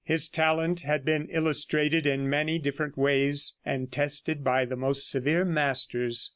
His talent had been illustrated in many different ways, and tested by the most severe masters.